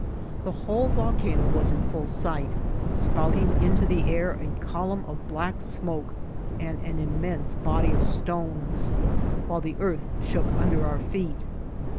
The whole volcano was in full si^t, spouting into the air a column of black smoke and an immense body of stones, while the earth shook und^ our feet.